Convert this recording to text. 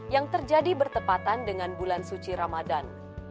yang terjadi bertepatan dengan bulan suci ramadan